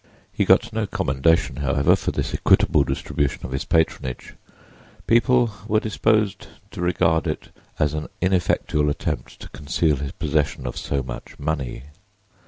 He got no commendation, however, for this equitable distribution of his patronage; people were disposed to regard it as an ineffectual attempt to conceal his possession of so much money.